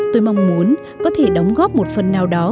tôi mong muốn có thể đóng góp một phần nào đó